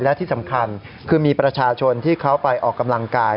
และที่สำคัญคือมีประชาชนที่เขาไปออกกำลังกาย